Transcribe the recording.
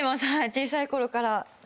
小さいころから。